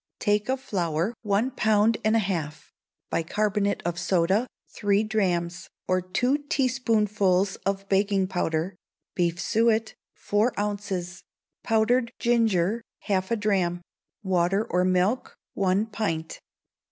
Take of flour, one pound and a half; bicarbonate of soda, three drachms; or two teaspoonfuls of baking powder; beef suet, four ounces; powdered ginger, half a drachm; water or milk, one pint.